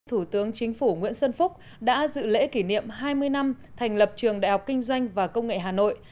thủ tướng chính phủ nguyễn xuân phúc đã dự lễ kỷ niệm hai mươi năm thành lập trường đại học kinh doanh và công nghệ hà nội